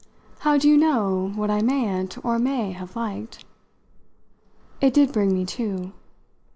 "How do you know what I mayn't, or may, have liked?" It did bring me to.